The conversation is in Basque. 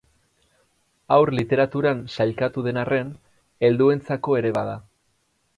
Haur Literaturan sailkatu den arren, helduentzako ere bada.